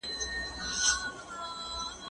زه به د کتابتون د کار مرسته کړې وي